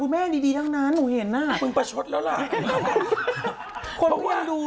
บอกไม่ดิบัดด้วยจะได้รับผิดชอบให้ดู